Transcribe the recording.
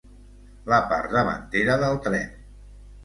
La part davantera del tren.